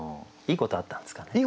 いいことあったんです。